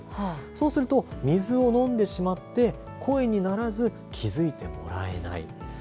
そうすると水を飲んでしまって声にならず気づいてもらえない。